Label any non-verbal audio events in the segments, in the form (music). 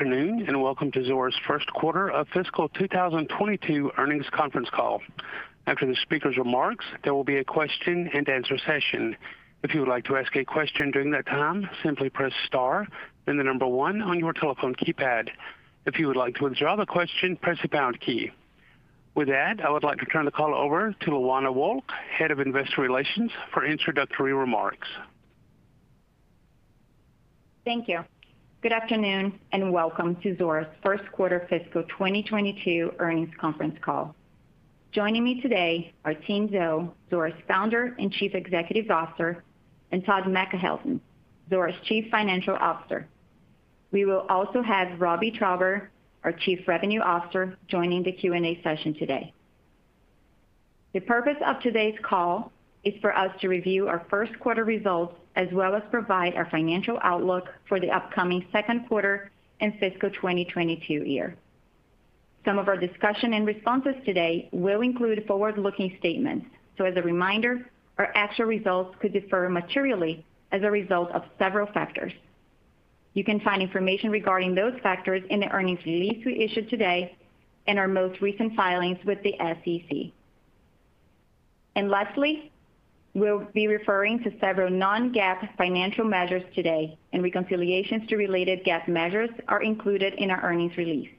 Afternoon. Welcome to Zuora's first quarter of fiscal 2022 earnings conference call. After the speakers' remarks, there will be a question and answer session. If you would like to ask a question during that time, simply press star, then the number one on your telephone keypad. If you would like to withdraw the question, press the pound key. With that, I would like to turn the call over to Luana Wolk, Head of Investor Relations for introductory remarks. Thank you. Good afternoon, and welcome to Zuora's first quarter fiscal 2022 earnings conference call. Joining me today are Tien Tzuo, Zuora's Founder and Chief Executive Officer, and Todd McElhatton, Zuora's Chief Financial Officer. We will also have Robbie Traube, our Chief Revenue Officer, joining the Q&A session today. The purpose of today's call is for us to review our first quarter results as well as provide our financial outlook for the upcoming second quarter and fiscal 2022 year. Some of our discussion and responses today will include forward-looking statements; as a reminder, our actual results could differ materially as a result of several factors. You can find information regarding those factors in the earnings release we issued today and our most recent filings with the SEC. Lastly, we'll be referring to several non-GAAP financial measures today, and reconciliations to related GAAP measures are included in our earnings release.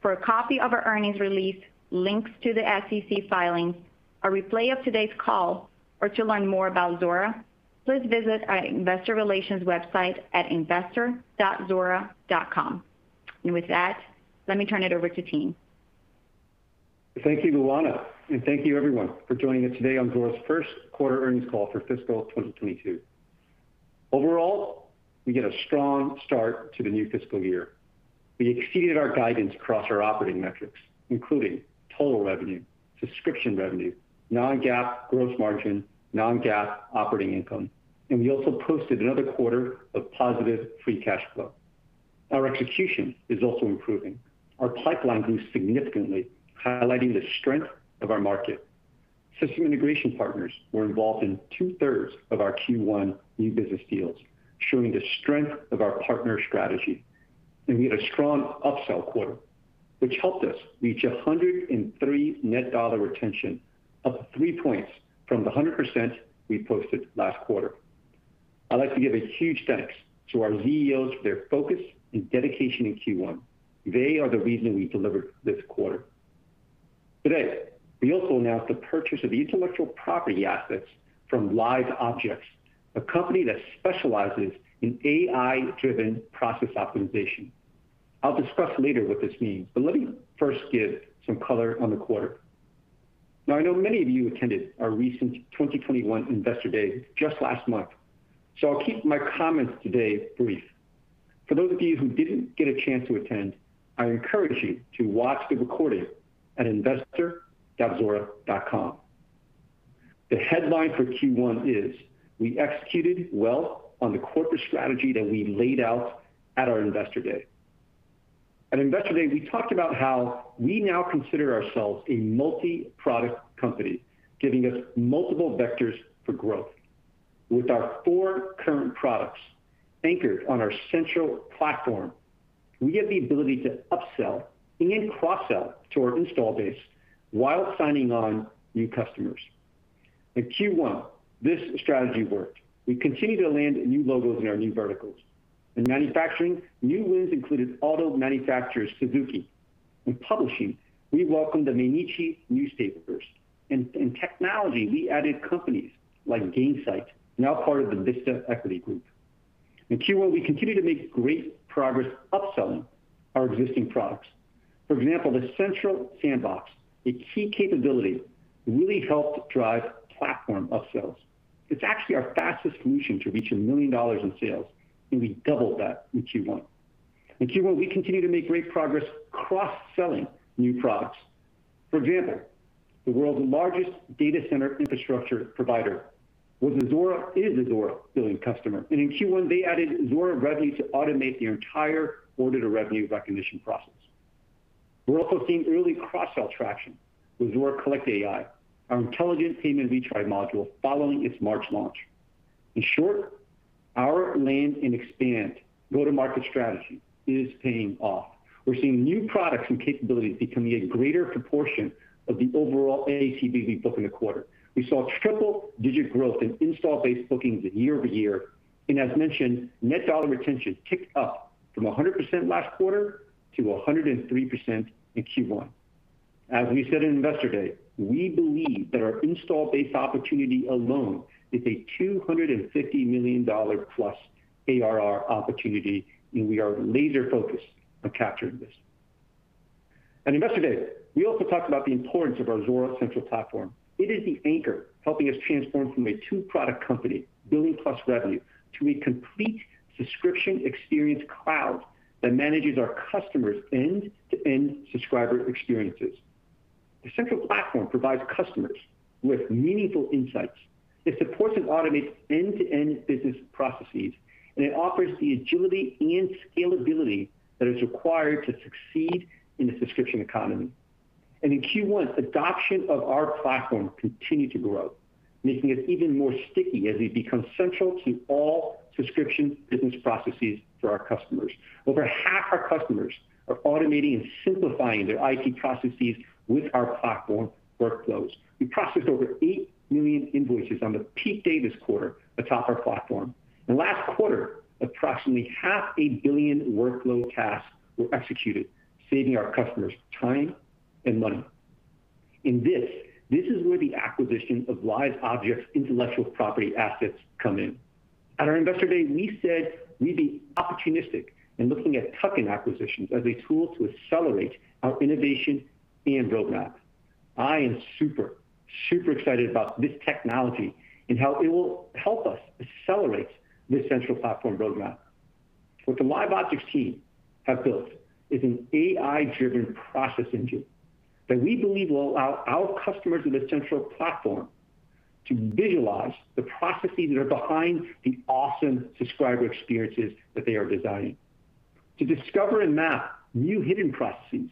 For a copy of our earnings release, links to the SEC filings, a replay of today's call, or to learn more about Zuora, please visit our investor relations website at investor.zuora.com. With that, let me turn it over to Tien. Thank you, Luana. Thank you, everyone, for joining us today on Zuora's first quarter earnings call for FY 2022. Overall, we get a strong start to the new fiscal year. We exceeded our guidance across our operating metrics, including total revenue, subscription revenue, non-GAAP gross margin, non-GAAP operating income, and we also posted another quarter of positive free cash flow. Our execution is also improving. Our pipeline grew significantly, highlighting the strength of our market. System integration partners were involved in two-thirds of our Q1 new business deals, showing the strength of our partner strategy. We had a strong upsell quarter, which helped us reach 103% net dollar retention, up three points from the 100% we posted last quarter. I'd like to give a huge thanks to our ZEOs for their focus and dedication in Q1. They are the reason we delivered this quarter. Today, we also announced the purchase of intellectual property assets from Live Objects, a company that specializes in AI-driven process optimization. I'll discuss later what this means. Let me first give some color on the quarter. I know many of you attended our recent 2021 Investor Day just last month. I'll keep my comments today brief. For those of you who didn't get a chance to attend, I encourage you to watch the recording at investor.zuora.com. The headline for Q1 is we executed well on the corporate strategy that we laid out on our Investor Day. At Investor Day, we talked about how we now consider ourselves a multi-product company, giving us multiple vectors for growth. With our four current products anchored on our Central Platform, we get the ability to upsell and cross-sell to our install base while signing on new customers. In Q1, this strategy worked. We continued to land new logos in our new verticals. In manufacturing, new wins included auto manufacturer Suzuki. In publishing, we welcomed the Mainichi Newspaper first. In technology, we added companies like Gainsight, now part of the Vista Equity group. In Q1, we continued to make great progress upselling our existing products. For example, the Central Sandbox, a key capability, really helped drive platform upsells. It's actually our fastest solution to reach $1 million in sales, and we doubled that in Q1. In Q1, we continued to make great progress cross-selling new products. For example, the world's largest data center infrastructure provider is a Zuora Billing customer. In Q1, they added Zuora Revenue to automate their entire order-to-revenue recognition process. We're also seeing early cross-sell traction with Zuora Collect AI, our intelligent payment retry module following its March launch. In short, our land and expand go-to-market strategy is paying off. We're seeing new products and capabilities becoming a greater proportion of the overall ACV book in the quarter. We saw triple-digit growth in install base bookings year over year. As mentioned, net dollar retention ticked up from 100% last quarter to 103% in Q1. As we said on Investor Day, we believe that our install base opportunity alone is a $250 million+ ARR opportunity, and we are laser-focused on capturing this. At Investor Day, we also talked about the importance of our Zuora Central Platform. It is the anchor helping us transform from a two-product company, billion plus revenue, to a complete subscription experience cloud that manages our customers' end-to-end subscriber experiences. The Central Platform provides customers with meaningful insights. It supports and automates end-to-end business processes. It offers the agility and scalability that are required to succeed in the Subscription Economy. In Q1, adoption of our platform continued to grow, making it even more sticky as we become central to all subscription business processes for our customers. Over half our customers are automating and simplifying their IT processes with our platform workflows. We processed over 8 million invoices on a peak day this quarter atop our platform. Last quarter, approximately half a billion workflow tasks were executed, saving our customers time and money. This is where the acquisition of Live Objects intellectual property assets come in. At our Investor Day, we said we'd be opportunistic in looking at tuck-in acquisitions as a tool to accelerate our innovation and roadmap. I am super excited about this technology and how it will help us accelerate this Central Platform roadmap. What the Live Objects team has built is an AI-driven process engine that we believe will allow our customers with a Central Platform to visualize the processes that are behind the awesome subscriber experiences that they are designing. To discover and map new hidden processes,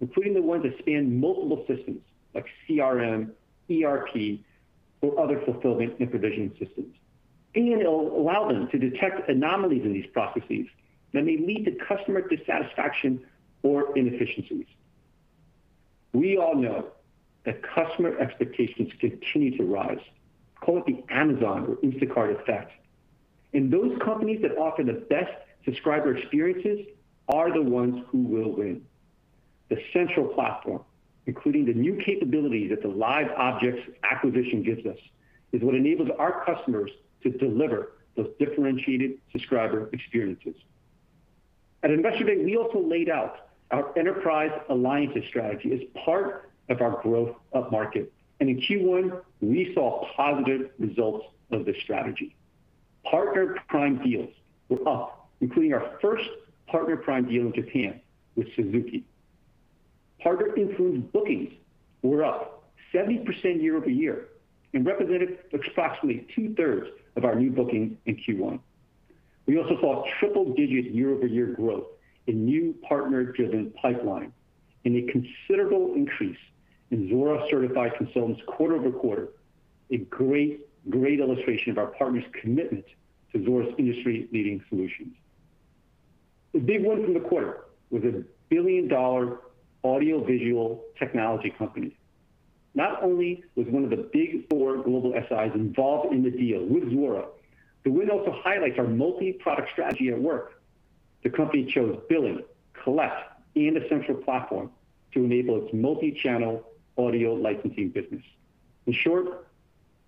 including the ones that span multiple systems like CRM, ERP, or other fulfillment and provisioning systems. It'll allow them to detect anomalies in these processes that may lead to customer dissatisfaction or inefficiencies. We all know that customer expectations continue to rise. Call it the Amazon or Instacart effect, and those companies that offer the best subscriber experiences are the ones who will win. The Central Platform, including the new capability that the Live Objects acquisition gives us, is what enables our customers to deliver those differentiated subscriber experiences. At Investor Day, we also laid out our enterprise alliances strategy as part of our growth upmarket, and in Q1, we saw positive results of this strategy. Partner Prime deals were up, including our first Partner Prime deal in Japan with Suzuki. Partner-influenced bookings were up 70% year-over-year and represented approximately two-thirds of our new bookings in Q1. We also saw triple-digit year-over-year growth in the new partner-driven pipeline and a considerable increase in Zuora Certified Consultants quarter-over-quarter, a great illustration of our partners' commitment to Zuora's industry-leading solutions. A big win from the quarter was a billion-dollar audio-visual technology company. Not only was one of the big four global SIs involved in the deal with Zuora, the win also highlights our multi-product strategy at work. The company chose Billing, Collect, and the Central Platform to enable its multi-channel audio licensing business. In short,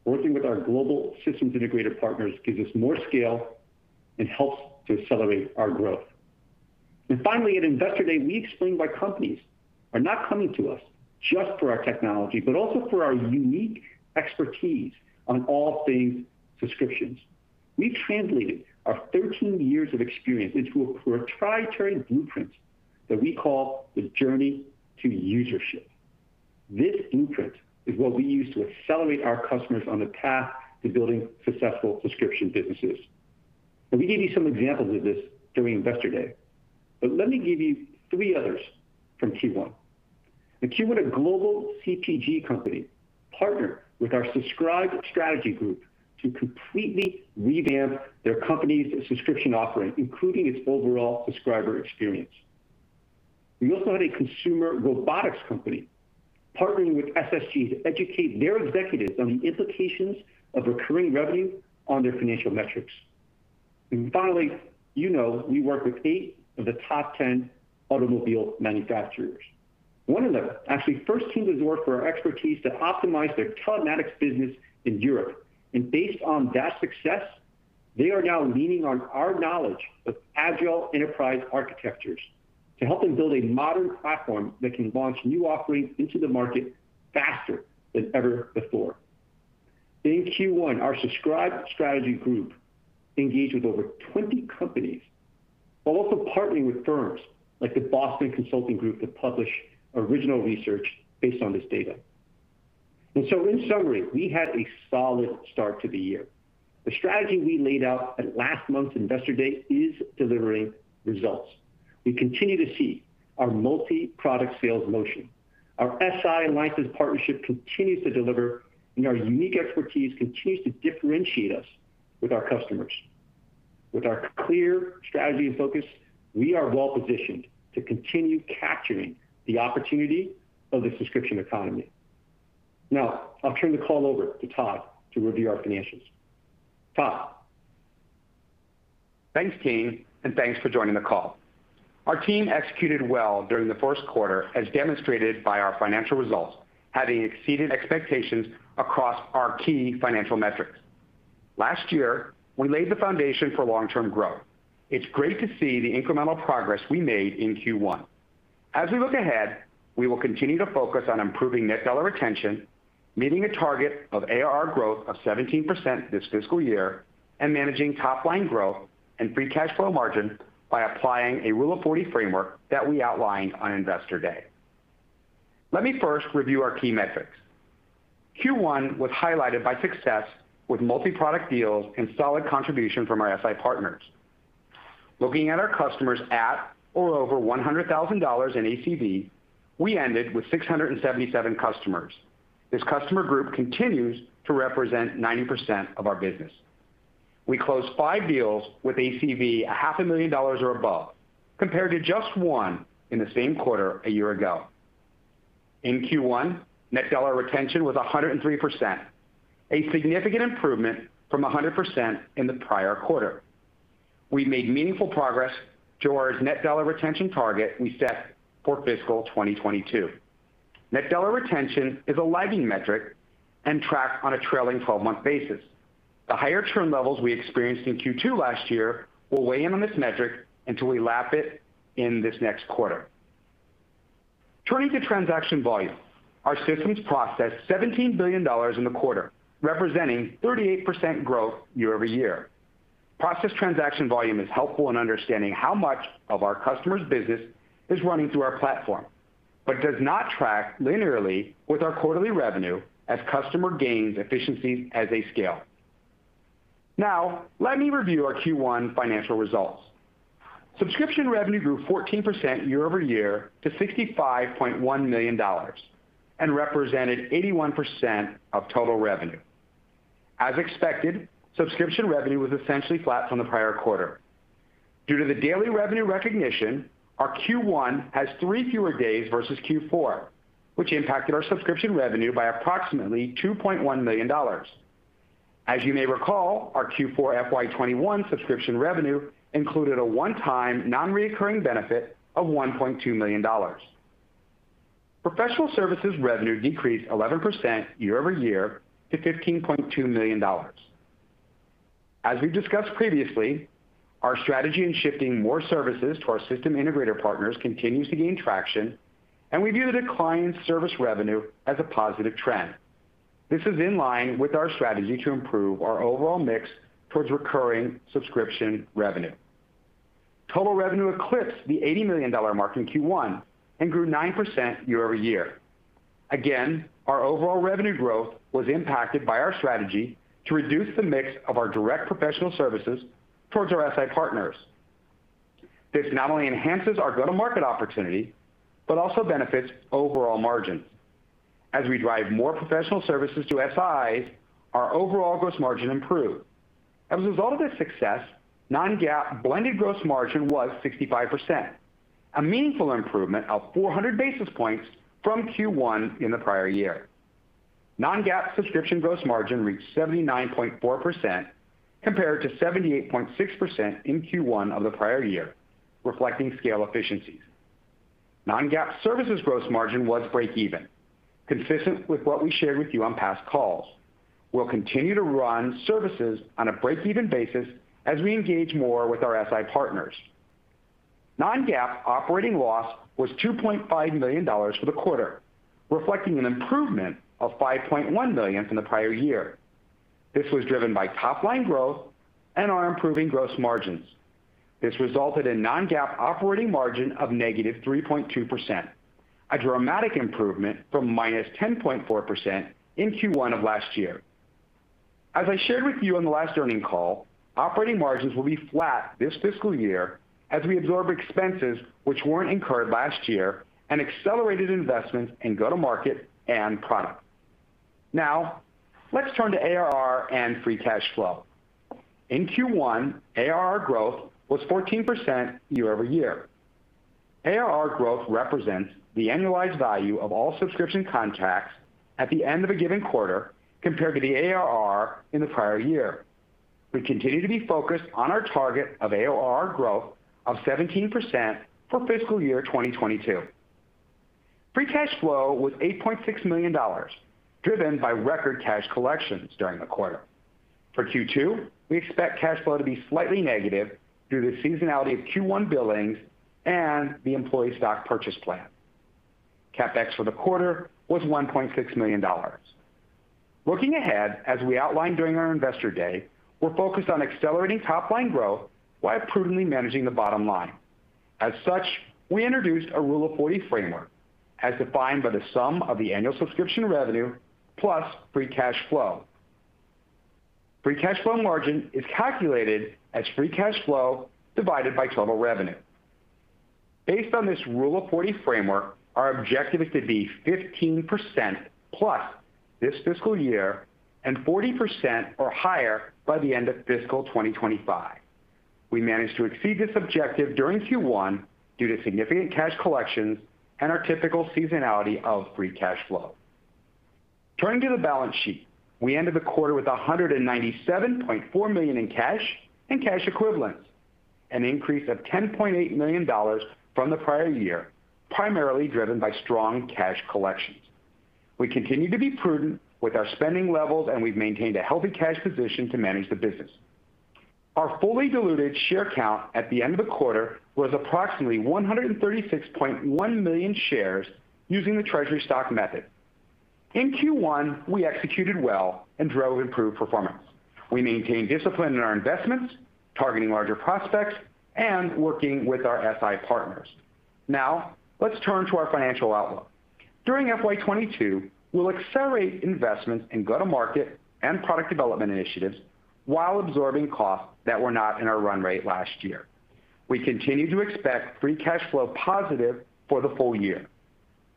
working with our global systems integrator partners gives us more scale and helps to accelerate our growth. Finally, at Investor Day, we explained why companies are not coming to us just for our technology but also for our unique expertise on all things subscriptions. We translated our 13 years of experience into a proprietary blueprint that we call the Journey to Usership. This blueprint is what we use to accelerate our customers on the path to building successful subscription businesses. We gave you some examples of this during Investor Day, but let me give you three others from Q1. In Q1, a global CPG company partnered with our Subscribed Strategy Group to completely revamp their company's subscription offering, including its overall subscriber experience. We also had a consumer robotics company partnering with SSG to educate their executives on the implications of recurring revenue on their financial metrics. Finally, you know we work with eight of the top 10 automobile manufacturers. One of them actually first came to Zuora for our expertise to optimize their telematics business in Europe. Based on that success, they are now leaning on our knowledge of agile enterprise architectures to help them build a modern platform that can launch new offerings into the market faster than ever before. In Q1, our Subscribed Strategy Group engaged with over 20 companies while also partnering with firms like the Boston Consulting Group to publish original research based on this data. In summary, we had a solid start to the year. The strategy we laid out at last month's Investor Day is delivering results. We continue to see our multi-product sales motion. Our SI alliance and partnership continues to deliver, and our unique expertise continues to differentiate us with our customers. With our clear strategy and focus, we are well-positioned to continue capturing the opportunity of the Subscription Economy. I'll turn the call over to Todd to review our financials. Todd? Thanks, Tien, and thanks for joining the call. Our team executed well during the first quarter, as demonstrated by our financial results, having exceeded expectations across our key financial metrics. Last year, we laid the foundation for long-term growth. It's great to see the incremental progress we made in Q1. As we look ahead, we will continue to focus on improving net dollar retention, meeting a target of ARR growth of 17% this fiscal year, and managing top-line growth and free cash flow margin by applying a Rule of 40 framework that we outlined on Investor Day. Let me first review our key metrics. Q1 was highlighted by success with multi-product deals and solid contribution from our SI partners. Looking at our customers at or over $100,000 in ACV, we ended with 677 customers. This customer group continues to represent 90% of our business. We closed five deals with ACV half a million dollars or above, compared to just one in the same quarter a year ago. In Q1, net dollar retention was 103%, a significant improvement from 100% in the prior quarter. We made meaningful progress toward our net dollar retention target we set for fiscal 2022. Net dollar retention is a lagging metric and tracks on a trailing 12-month basis. The higher churn levels we experienced in Q2 last year will weigh in on this metric until we lap it in this next quarter. Turning to transaction volume, our systems processed $17 billion in the quarter, representing 38% growth year-over-year. Processed transaction volume is helpful in understanding how much of our customers' business is running through our platform but does not track linearly with our quarterly revenue as customer gains efficiencies as they scale. Let me review our Q1 financial results. Subscription revenue grew 14% year-over-year to $65.1 million and represented 81% of total revenue. As expected, subscription revenue was essentially flat from the prior quarter. Due to the daily revenue recognition, our Q1 had three fewer days versus Q4, which impacted our subscription revenue by approximately $2.1 million. As you may recall, our Q4 FY 2021 subscription revenue included a one-time non-recurring benefit of $1.2 million. Professional services revenue decreased 11% year-over-year to $15.2 million. As we discussed previously, our strategy in shifting more services to our system integrator partners continues to gain traction, and we view the decline in service revenue as a positive trend. This is in line with our strategy to improve our overall mix towards recurring subscription revenue. Total revenue eclipsed the $80 million mark in Q1 and grew 9% year-over-year. Again, our overall revenue growth was impacted by our strategy to reduce the mix of our direct professional services towards our SI partners. This not only enhances our go-to-market opportunity but also benefits overall margin. As we drive more professional services to SIs, our overall gross margin improves. As a result of this success, non-GAAP blended gross margin was 65%, a meaningful improvement of 400 basis points from Q1 in the prior year. Non-GAAP subscription gross margin reached 79.4% compared to 78.6% in Q1 of the prior year, reflecting scale efficiencies. Non-GAAP services gross margin was breakeven, consistent with what we shared with you on past calls. We'll continue to run services on a breakeven basis as we engage more with our SI partners. Non-GAAP operating loss was $2.5 million for the quarter, reflecting an improvement of $5.1 million from the prior year. This was driven by top-line growth and our improving gross margins. This resulted in non-GAAP operating margin of negative 3.2%, a dramatic improvement from -10.4% in Q1 of last year. As I shared with you on the last earnings call, operating margins will be flat this fiscal year as we absorb expenses that weren't incurred last year and accelerated investments in go-to-market and product. Let's turn to ARR and free cash flow. In Q1, ARR growth was 14% year-over-year. ARR growth represents the annualized value of all subscription contracts at the end of a given quarter compared to the ARR in the prior year. We continue to be focused on our target of ARR growth of 17% for fiscal year 2022. Free cash flow was $8.6 million, driven by record cash collections during the quarter. For Q2, we expect cash flow to be slightly negative due to the seasonality of Q1 billings and the employee stock purchase plan. CapEx for the quarter was $1.6 million. Looking ahead, as we outlined during our Investor Day, we're focused on accelerating top-line growth while prudently managing the bottom line. As such, we introduced our Rule of 40 framework, as defined by the sum of the annual subscription revenue plus free cash flow. Free cash flow margin is calculated as free cash flow divided by total revenue. Based on this Rule of 40 framework, our objective is to be 15% plus this fiscal year and 40% or higher by the end of fiscal 2025. We managed to exceed this objective during Q1 due to significant cash collections and our typical seasonality of free cash flow. Turning to the balance sheet, we ended the quarter with $197.4 million in cash and cash equivalents, an increase of $10.8 million from the prior year, primarily driven by strong cash collections. We continue to be prudent with our spending levels, and we've maintained a healthy cash position to manage the business. Our fully diluted share count at the end of the quarter was approximately 136.1 million shares using the treasury stock method. In Q1, we executed well and drove improved performance. We maintained discipline in our investments, targeting larger prospects and working with our SI partners. Now, let's turn to our financial outlook. During FY 2022, we'll accelerate investments in go-to-market and product development initiatives while absorbing costs that were not in our run rate last year. We continue to expect free cash flow positive for the full year.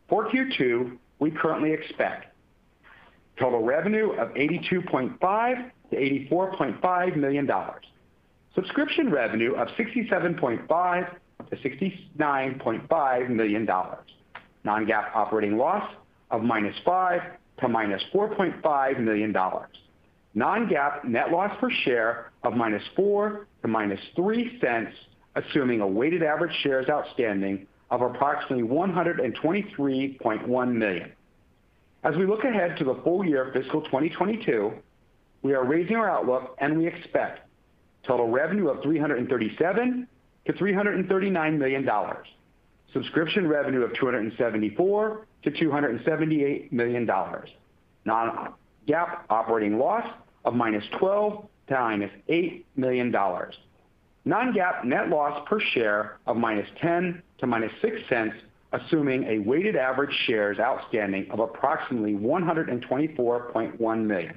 For Q2, we currently expect total revenue of $82.5 million-$84.5 million, subscription revenue of $67.5 million-$69.5 million, non-GAAP operating loss of -$5 million--$4.5 million, and non-GAAP net loss per share of -$0.04--$0.03, assuming a weighted average shares outstanding of approximately 123.1 million. As we look ahead to the full year of fiscal 2022, we are raising our outlook, and we expect total revenue of $337 million-$339 million, subscription revenue of $274 million-$278 million, non-GAAP operating loss of -$12 million--$8 million, non-GAAP net loss per share of -$0.10--$0.06, assuming a weighted average shares outstanding of approximately 124.1 million.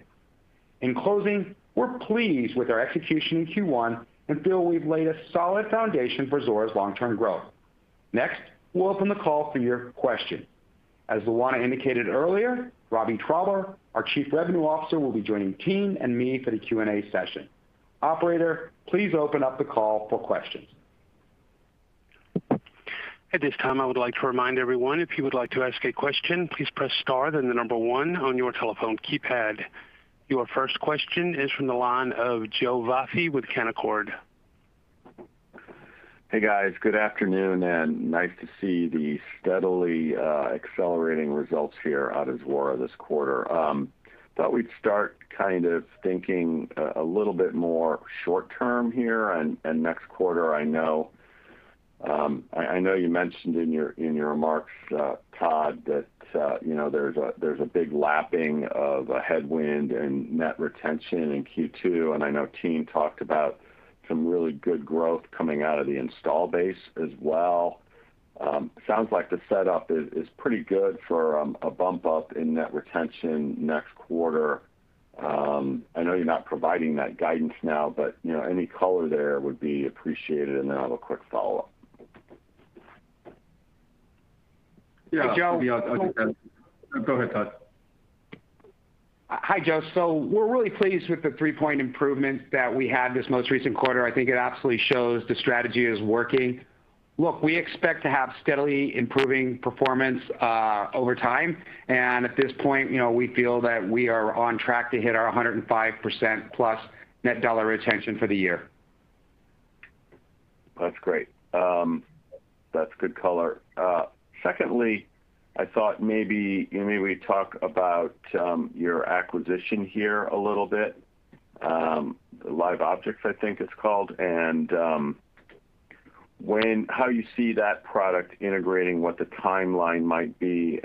In closing, we're pleased with our execution in Q1 and feel we've laid a solid foundation for Zuora's long-term growth. Next, we'll open the call for your questions. As Luana indicated earlier, Robbie Traube, our Chief Revenue Officer, will be joining Tien and me for the Q&A session. Operator, please open up the call for questions. At this time I wanted to remind everyone if you would like to ask a question, please press star and then number one on your telephone keypad. Your first question is from the line of Joe Vafi with Canaccord. Hey, guys. Good afternoon, and nice to see the steadily accelerating results here out of Zuora this quarter. Thought we'd start thinking a little bit more short-term here and next quarter. I know you mentioned in your remarks, Todd, that there's a big lapping of a headwind in net retention in Q2, and I know Tien talked about some really good growth coming out of the install base as well. Sounds like the setup is pretty good for a bump up in net retention next quarter. I know you're not providing that guidance now, but any color there would be appreciated, and then I have a quick follow-up. Yeah, Joe. (crosstalk) (crosstalk) Yeah. Go ahead, Todd. Hi, Joe. We're really pleased with the three-point improvement that we had this most recent quarter. I think it absolutely shows the strategy is working. Look, we expect to have steadily improving performance over time, and at this point, we feel that we are on track to hit our 105%+ net dollar retention for the year. That's great. That's a good color. Secondly, I thought maybe you could talk about your acquisition here a little bit. Live Objects, I think it's called. How you see that product integrating and what the timeline might be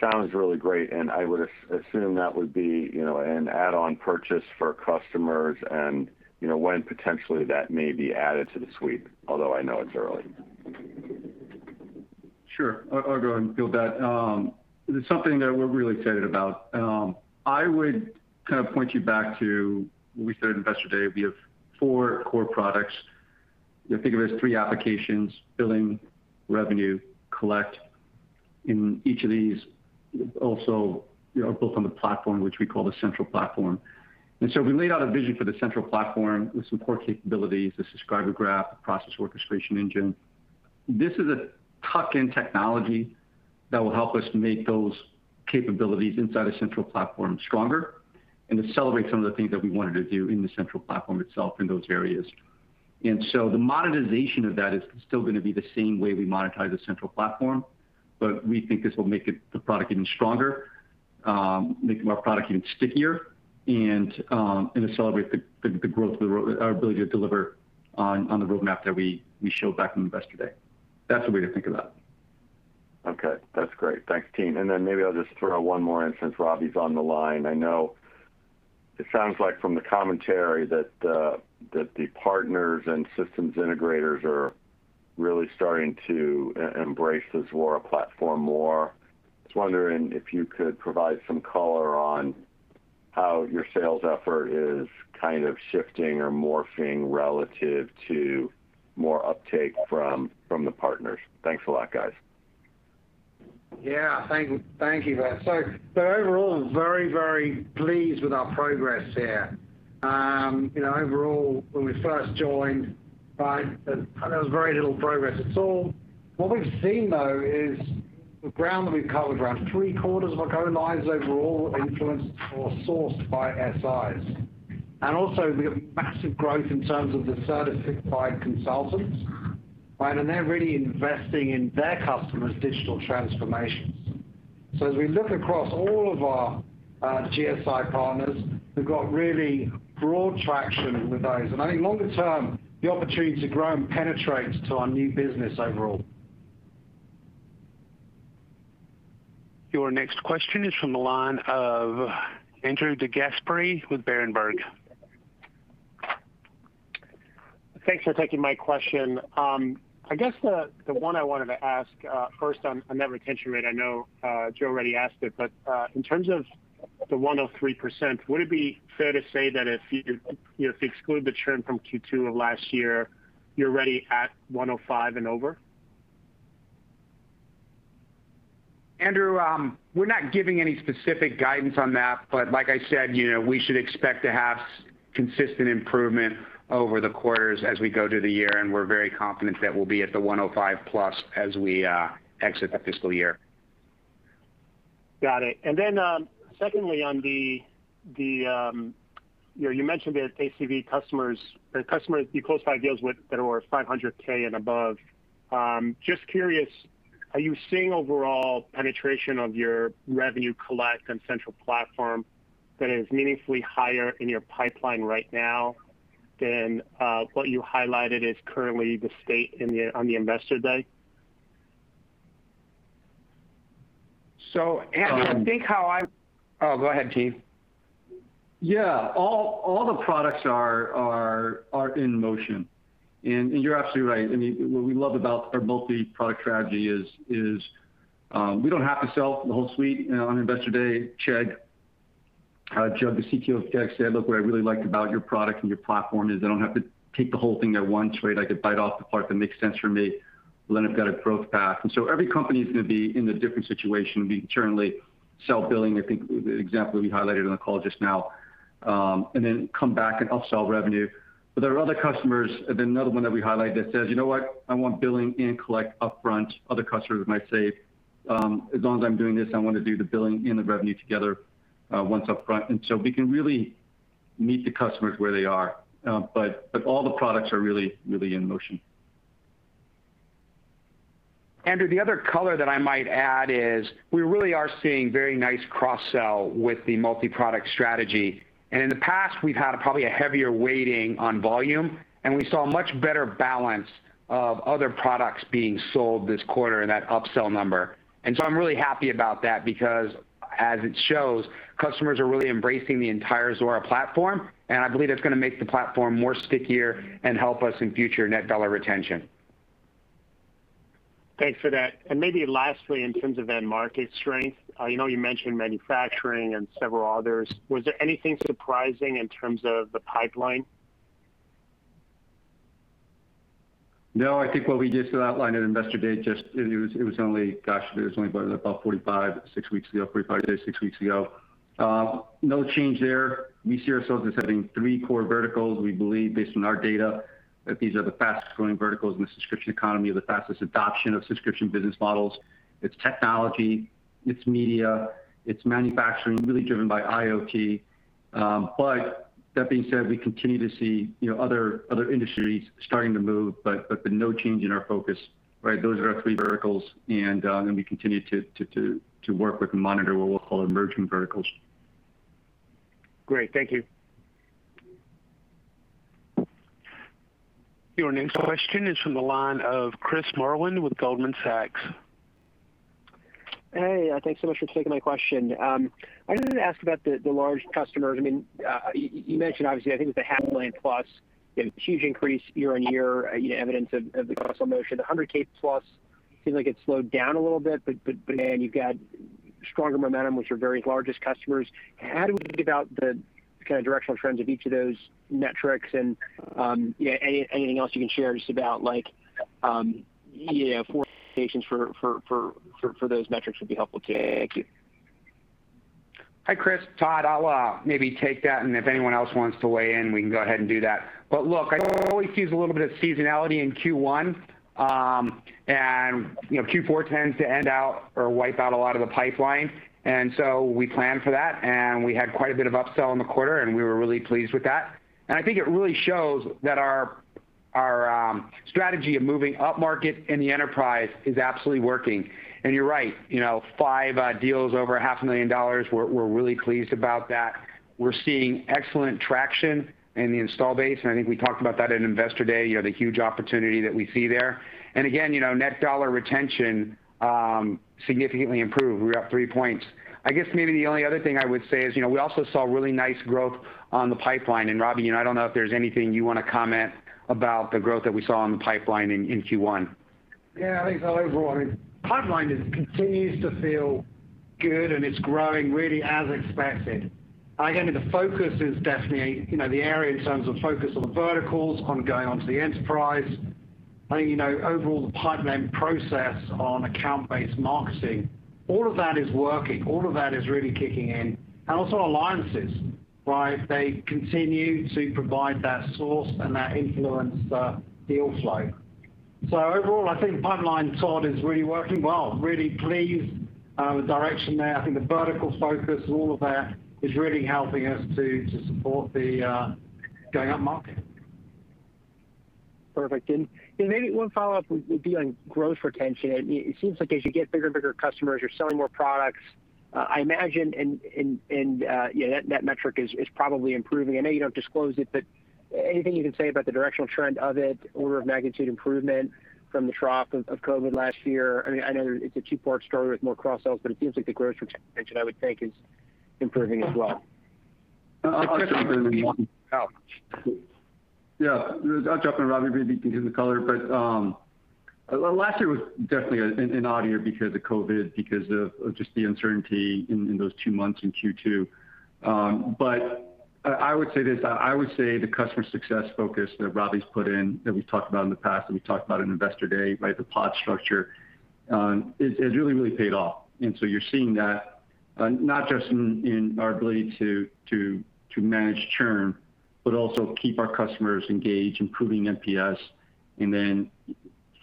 sounds really great, and I would assume that would be an add-on purchase for customers and when potentially that may be added to the suite. Although I know it's early. Sure. I'll go and build that. It is something that we're really excited about. I would point you back to what we said on Investor Day. We have four core products. If you think of it as three applications, Billing, Revenue, and Collect. In each of these, also built on a platform, which we call the Central Platform. We laid out a vision for the Central Platform with some core capabilities, the subscriber graph, and the process orchestration engine. This is a top-end technology that will help us make those capabilities inside a Central Platform stronger and accelerate some of the things that we wanted to do in the Central Platform itself in those areas. The monetization of that is still going to be the same way we monetize the Central Platform, but we think this will make the product even stronger, make our product even stickier, and accelerate our ability to deliver on the roadmap that we showed back on Investor Day. That's the way to think of that. Okay. That's great. Thanks, Tien. Then maybe I'll just throw one more in, since Robbie's on the line. I know it sounds like from the commentary that the partners and systems integrators are really starting to embrace the Zuora platform more. I was wondering if you could provide some color on how your sales effort is shifting or morphing relative to more uptake from the partners. Thanks a lot, guys. Yeah. Thank you, guys. Overall, very, very pleased with our progress here. Overall, when we first joined, there was very little progress at all. What we've seen, though, is the ground we've covered, around three-quarters of our current pipelines overall influenced or sourced by SIs. We have massive growth in terms of the certified consultants, and they're really investing in their customers' digital transformations. As we look across all of our GSI partners, we've got really broad traction with those. I think longer term, there's an opportunity to grow and penetrate our new business overall. Your next question is from the line of Andrew DeGasperi with Berenberg. Thanks for taking my question. I guess the one I wanted to ask first is net retention rate; I know Joe already asked it. In terms of the 103%, would it be fair to say that if you exclude the churn from Q2 of last year, you're already at 105% and over? Andrew, we're not giving any specific guidance on that, but like I said, we should expect to have consistent improvement over the quarters as we go through the year, and we're very confident that we'll be at 105%+ as we exit the fiscal year. Got it. Secondly, you mentioned the ACV customers, the customers you closed five deals with that were $500K and above. Just curious, are you seeing overall penetration of your revenue Collect and Central Platform that is meaningfully higher in your pipeline right now than what you highlighted as currently the state on Investor Day? Andrew, I think so. Oh, go ahead, Tien. Yeah. All the products are in motion. You're absolutely right. What we love about our multi-product strategy is we don't have to sell the whole suite on Investor Day. Cheng, our CTO, said, Look, what I really like about your product and your platform is I don't have to take the whole thing at once. I could bite off the part that makes sense for me, then I've got a growth path. Every company is going to be in a different situation with internally self-billing; I think the example you highlighted on the call just now, and then come back and upsell revenue. There are other customers, another one that we highlighted that says, You know what? I want to Billing and Collect upfront. Other customers might say, As long as I'm doing this, I want to do the Billing and the Revenue together once upfront. We can really meet the customers where they are. All the products are really in motion. Andrew, the other color that I might add is we really are seeing very nice cross-sell with the multi-product strategy. In the past, we had probably a heavier weighting on volume, and we saw a much better balance of other products being sold this quarter in that upsell number. I'm really happy about that because, as it shows, customers are really embracing the entire Zuora platform, and I believe that's going to make the platform stickier and help us in future net dollar retention. Thanks for that. Maybe lastly, in terms of end market strength, I know you mentioned manufacturing and several others. Was there anything surprising in terms of the pipeline? No, I think what we just outlined at Investor Day, gosh, it was only about four-five, six weeks ago. No change there. We see ourselves as hitting three core verticals. We believe, based on our data, that these are the fastest-growing verticals in the Subscription Economy, the fastest adoption of subscription business models. It's technology, it's media, it's manufacturing—all really driven by IoT. That being said, we continue to see other industries starting to move, but there's no change in our focus. Those are our three verticals, and we continue to work with and monitor what we'll call emerging verticals. Great. Thank you. Your next question is from the line of Chris Merwin with Goldman Sachs. Hey. Thanks so much for taking my question. I wanted to ask about the large customers. You mentioned, obviously, I think the half a million plus huge increase year-over-year is evidence of the cross-sell motion. The $100+ seems like it's slowed down a little bit, but then you've got stronger momentum with your very largest customers. How do we think about the directional trends of each of those metrics? Anything else you can share just about forward indications for those metrics would be helpful. Thank you. Hi, Chris. Todd, I'll maybe take that. If anyone else wants to weigh in, we can go ahead and do that. Look, I always see a little bit of seasonality in Q1. Q4 tends to end or wipe out a lot of the pipeline. We plan for that. We had quite a bit of upsell in the quarter. We were really pleased with that. I think it really shows that our strategy of moving upmarket in the enterprise is absolutely working. You're right, five deals are $500,000+; we're really pleased about that. We're seeing excellent traction in the install base. I think we talked about that at Investor Day, the huge opportunity that we see there. Again, net dollar retention significantly improved. We're up three points. I guess maybe the only other thing I would say is we also saw really nice growth on the pipeline. Robbie, I don't know if there's anything you want to comment about the growth that we saw in the pipeline in Q1. Yeah, I think so. Overall, the pipeline continues to feel good, and it's growing, really as expected. Again, the focus is definitely the area in terms of focus on verticals, on going on to the enterprise. Overall, the pipeline process for account-based marketing—all of that is working. All of that is really kicking in. Also alliances. They continue to provide that source and that influence deal flow. Overall, I think pipeline, Todd, is really working well. Really pleased with the direction there. I think the vertical focus, all of that, is really helping us to support the going upmarket. Perfect. Maybe one follow-up would be on gross retention. It seems like as you get bigger customers, you're selling more products. I imagine the net metric is probably improving. I know you don't disclose it, but anything you can say about the directional trend of it, an order of magnitude improvement from the trough of COVID last year? I know it's a two-part story with more cross-sells, but it seems like the gross retention, I would think, is improving as well. I'll jump in. Yeah, I'll jump in, Robbie; maybe you can give the color, but last year was definitely an odd year because of COVID, because of just the uncertainty in those two months in Q2. I would say this: I would say the customer success focus that Robbie's put in, which we've talked about in the past and we talked about at Investor Day, the pod structure, has really, really paid off. You're seeing that not just in our ability to manage churn but also keep our customers engaged, improving NPS, and then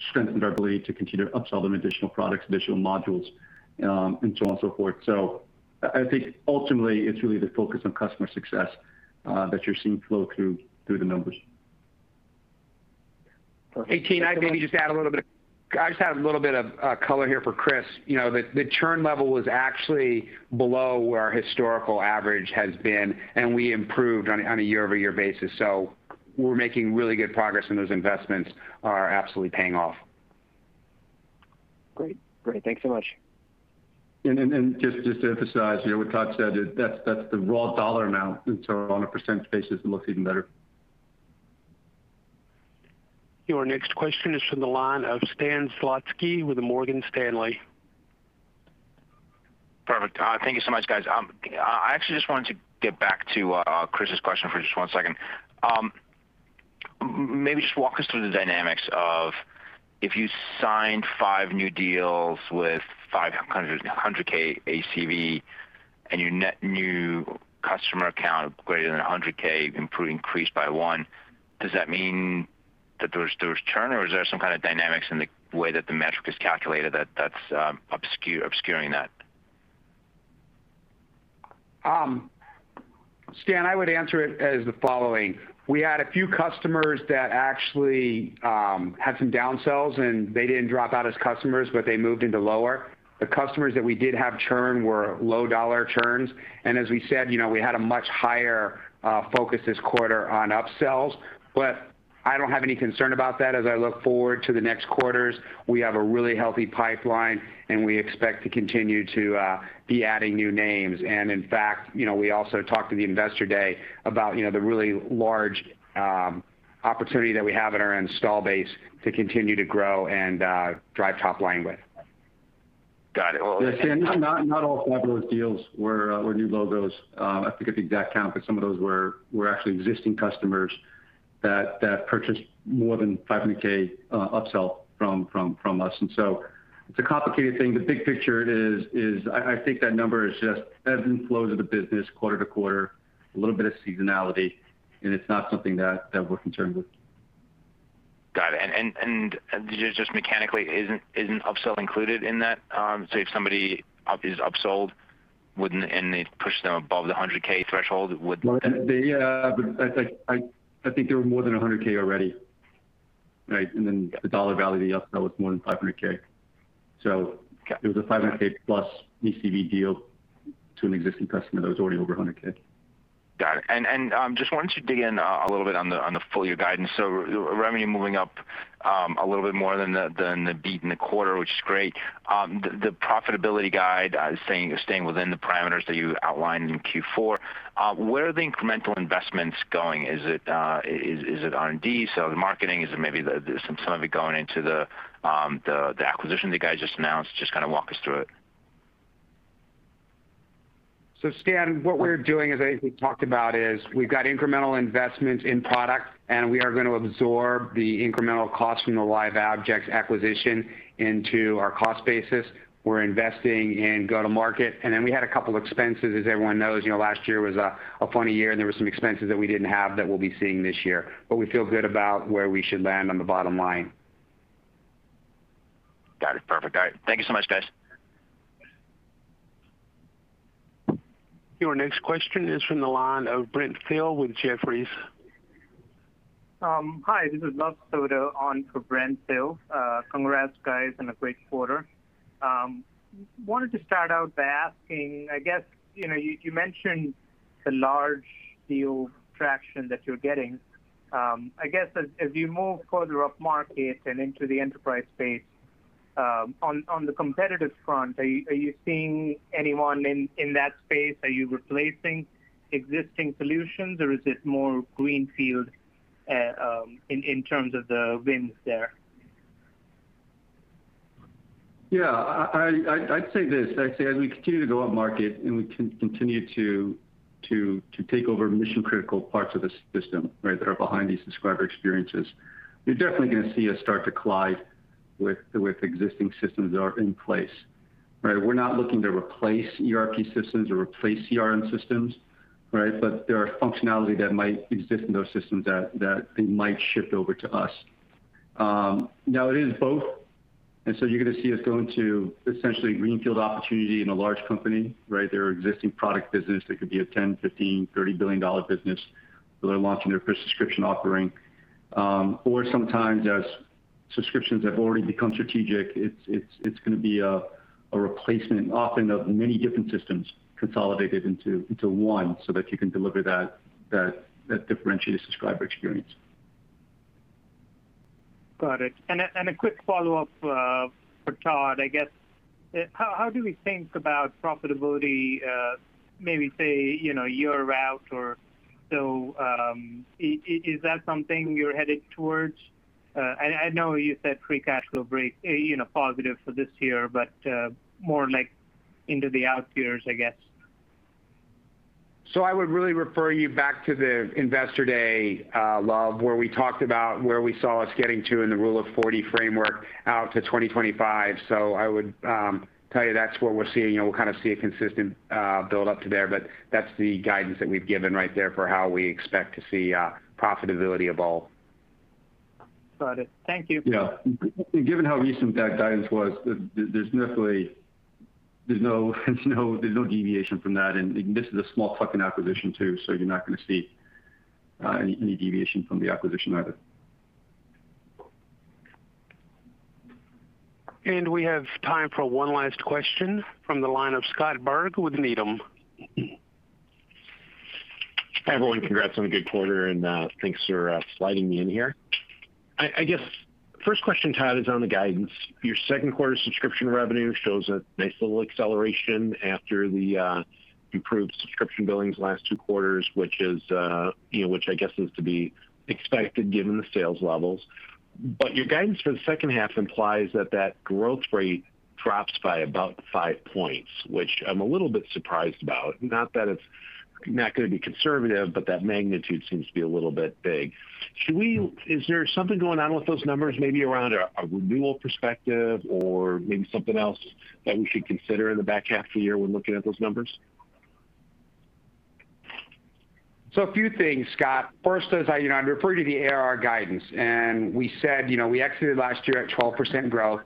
strengthening our ability to continue to upsell them additional products, additional modules, and so on and so forth. I think ultimately it's really the focus on customer success that you're seeing flow through the numbers. Hey, Tien, can I maybe just add a little bit of color here for Chris. The churn level was actually below where our historical average has been, and we improved on a year-over-year basis. We're making really good progress, and those investments are absolutely paying off. Great. Thanks so much. Just to emphasize what Todd said, that's the raw dollar amount, and so on a percent basis, it looks even better. Your next question is from the line of Stan Zlotsky with Morgan Stanley. Perfect. Thank you so much, guys. I actually just wanted to get back to Chris's question for just one second. Maybe just walk us through the dynamics of if you signed five new deals with $500,000 ACV and your net new customer account greater than $100,000 improved and increased by one; does that mean that there was churn, or is there some kind of dynamic in the way that the metric is calculated that's obscuring that? Stan, I would answer it as the following. We had a few customers that actually had some downsells, and they didn't drop out as customers, but they moved into lower. The customers that we did have churn were low-dollar churners, and as we said, we had a much higher focus this quarter on upsells. I don't have any concern about that as I look forward to the next quarters. We have a really healthy pipeline, and we expect to continue to be adding new names. In fact, we also talked to the Investor Day about the really large opportunity that we have in our install base to continue to grow and drive top line. Got it. Yeah, Stan, not all five of those deals were new logos. I forget the exact count, but some of those were actually existing customers that purchased more than a $500,000 upsell from us. It's a complicated thing. The big picture is I think that number is just ebbs and flows of the business quarter-to-quarter, a little bit of seasonality, and it's not something that we're concerned with. Got it. Just mechanically, isn't upsell included in that? If somebody is upsold, they've pushed them above the $100,000 threshold. I think they were more than $100,000 already. Right? The dollar value of the upsell was more than $500,000. Got it. It was a $500,000+ ACV deal to an existing customer that was already over $100,000. Got it. Just wanted to dig in a little bit on the full-year guidance. Revenue moving up a little bit more than the beat in the quarter, which is great. The profitability guide is staying within the parameters that you outlined in Q4. Where are the incremental investments going? Is it R&D, or the marketing? Is it maybe some of it going into the acquisition that you guys just announced? Just walk us through it. Stan, what we're doing, as I think we talked about, is we've got incremental investments in product, and we are going to absorb the incremental cost from the Live Objects acquisition into our cost basis. We're investing in go-to-market; we had a couple expenses, as everyone knows. Last year was a funny year; there were some expenses that we didn't have that we'll be seeing this year. We feel good about where we should land on the bottom line. Got it. Perfect. All right. Thank you so much, guys. Your next question is from the line of Brent Thill with Jefferies. Hi, this is Luv Sodha on for Brent Thill. Congrats, guys, on a great quarter. I wanted to start out by asking, I guess, you mentioned the large deal traction that you're getting. I guess as you move further up market and into the enterprise space, on the competitive front, are you seeing anyone in that space? Are you replacing existing solutions, or is it more greenfield in terms of the wins there? Yeah, I'd say this. I'd say as we continue to go up market and we continue to take over mission-critical parts of the system that are behind these subscriber experiences, you're definitely going to see us start to collide with existing systems that are in place. We're not looking to replace ERP systems or replace CRM systems. There are functionality that might exist in those systems that might shift over to us. Now it is both; you're going to see us go into essentially a greenfield opportunity in a large company. Their existing product business could be a $10, $15, $30 billion business where they're launching their first subscription offering. Sometimes as subscriptions have already become strategic, it's going to be a replacement, often of many different systems consolidated into one so that you can deliver that differentiated subscriber experience. Got it. A quick follow-up for Todd, I guess, how do we think about profitability maybe say year out or so? Is that something you're headed towards? I know you said free cash will break positive for this year, but more like into the out years, I guess. I would really refer you back to Investor Day, Luv, where we talked about where we saw us getting to in the Rule of 40 framework out to 2025. I would tell you that's what we're seeing. We'll kind of see a consistent build-up to there, but that's the guidance that we've given right there for how we expect to see profitability evolve. Got it. Thank you. Yeah. Given how recent that guidance was, there's no deviation from that, and this is a small tuck-in acquisition too, so you're not going to see any deviation from the acquisition either. We have time for one last question from the line of Scott Berg with Needham. Hi, everyone. Congrats on a good quarter, and thanks for sliding me in here. I guess the first question, Todd, is on the guidance. Your second quarter subscription revenue shows a nice little acceleration after the improved subscription billings last two quarters, which I guess is to be expected given the sales levels. Your guidance for the second half implies that that growth rate drops by about five points, which I'm a little bit surprised about. Not that it's not going to be conservative; that magnitude seems to be a little bit big. Is there something going on with those numbers, maybe around a renewal perspective or maybe something else that we should consider in the back half of the year when looking at those numbers? A few things, Scott. First, I'd refer you to the ARR guidance, and we said we exited last year at 12% growth.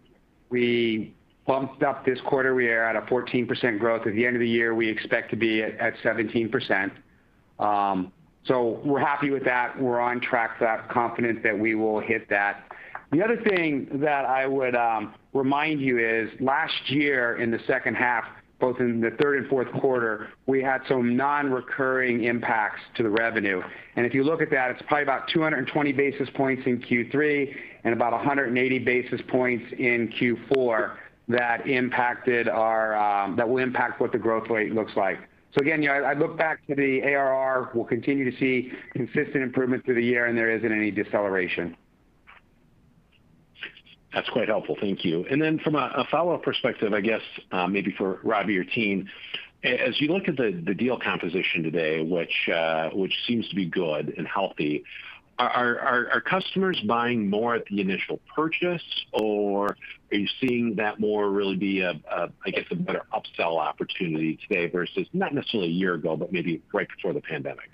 We bumped up this quarter. We are at a 14% growth. At the end of the year, we expect to be at 17%. We're happy with that. We're on track for that, confident that we will hit that. The other thing that I would remind you of is last year in the second half, both in the third and fourth quarters, we had some non-recurring impacts to the revenue. If you look at that, it's probably about 220 basis points in Q3 and about 180 basis points in Q4 that will impact what the growth rate looks like. Again, I look back to the ARR. We'll continue to see consistent improvement through the year, and there isn't any deceleration. That's quite helpful. Thank you. From a follow-up perspective, I guess maybe for Robbie or the team, as you look at the deal composition today, which seems to be good and healthy, are customers buying more at the initial purchase, or are you seeing that more really is, I guess, a better upsell opportunity today versus not necessarily a year ago, but maybe right before the pandemic?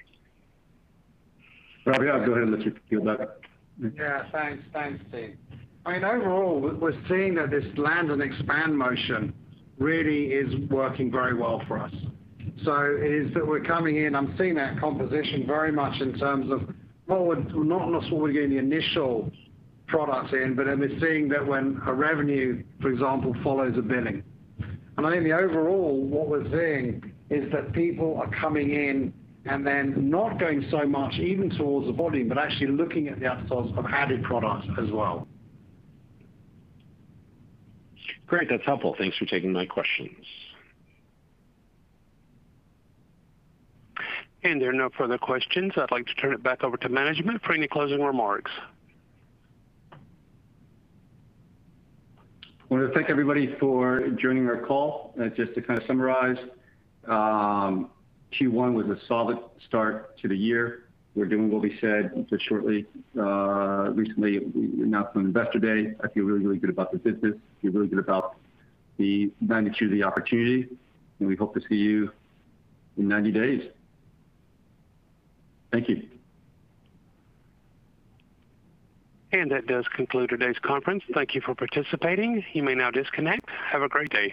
Robbie, go ahead and let you field that. Yeah. Thanks, Tien. I mean, overall, we're seeing that this land-and-expand motion really is working very well for us. It is that we're coming in; I'm seeing that composition very much in terms of forward, not necessarily getting the initial products in, but then we're seeing that when a Revenue, for example, follows a Billing. I think overall, what we're seeing is that people are coming in and then not going so much even towards the volume, but actually looking at the upsells of added products as well. Great. That's helpful. Thanks for taking my questions. There are no further questions. I'd like to turn it back over to management for any closing remarks. I want to thank everybody for joining our call. Just to kind of summarize, Q1 was a solid start to the year. We're doing what we said just shortly, recently announced on Investor Day. I feel really, really good about the business and feel really good about the magnitude of the opportunity. We hope to see you in 90 days. Thank you. That does conclude today's conference. Thank you for participating. You may now disconnect. Have a great day.